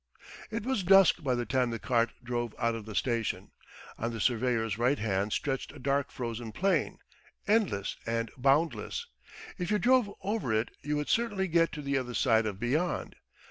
It was dusk by the time the cart drove out of the station. On the surveyor's right hand stretched a dark frozen plain, endless and boundless. If you drove over it you would certainly get to the other side of beyond.